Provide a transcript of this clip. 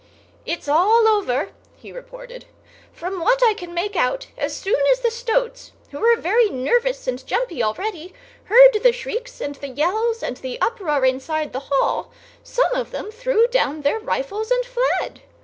"It's all over," he reported. "From what I can make out, as soon as the stoats, who were very nervous and jumpy already, heard the shrieks and the yells and the uproar inside the hall, some of them threw down their rifles and fled.